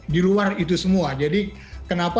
di luar itu semua jadi kenapa